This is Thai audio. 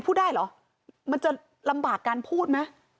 พูดได้เหรอมันจะลำบากการพูดไหม